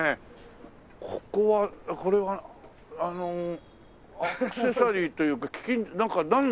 ここはこれはあのアクセサリーというかなんのお店？